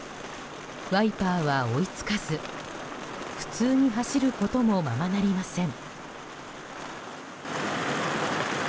ワイパーは追い付かず普通に走ることもままなりません。